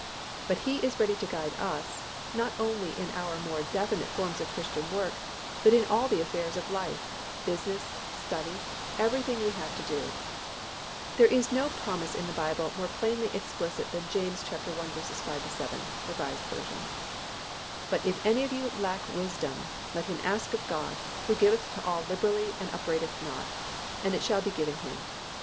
But He is ready to guide us, not only in our more definite forms of Christian work but in all the affairs of life, business, study, everything we have to do. There is no promise in the Bible more plainly explicit than James i. 5 7, R. V., "But if any of you lack wisdom, let him ask of God, who giveth to all liberally and upbraideth not; and it shall be given him.